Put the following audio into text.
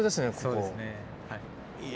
そうですねはい。